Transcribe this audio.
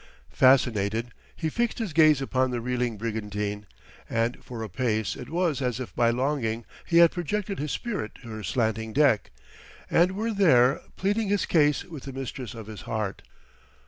Fascinated, he fixed his gaze upon the reeling brigantine, and for a space it was as if by longing he had projected his spirit to her slanting deck, and were there, pleading his case with the mistress of his heart....